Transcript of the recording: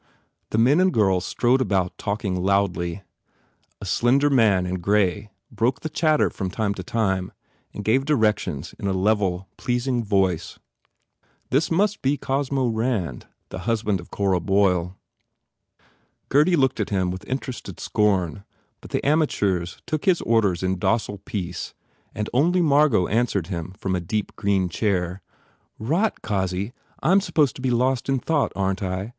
The men and girls strode about talking loudly. A slender man in grey broke the chatter from time to time and gave directions in a level, pleasing voice. This must 121 THE FAIR REWARDS be Cosmo Rand, the husband of Cora Boyle. Gurdy looked at him with interested scorn but the amateurs took his orders in docile peace and only Margot answered him from a deep green chair, "Rot, Cossy! I m supposed to be lost in thought, aren t I?